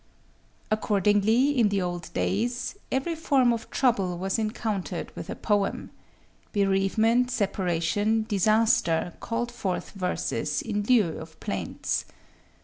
Accordingly, in the old days, every form of trouble was encountered with a poem. Bereavement, separation, disaster called forth verses in lieu of plaints.